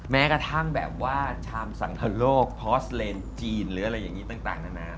แม้กระทั่งแบบว่าชามสังคโลกฮอสเลนจีนหรืออะไรอย่างนี้ต่างนานา